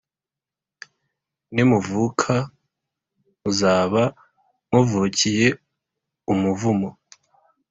Nimuvuka, muzaba muvukiye umuvumo,